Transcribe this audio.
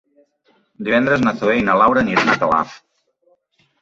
Divendres na Zoè i na Laura aniran a Calaf.